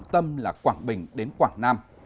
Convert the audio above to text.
tâm là quảng bình đến quảng nam